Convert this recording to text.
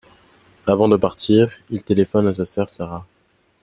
Avant de partir, il téléphone à sa sœur Sara.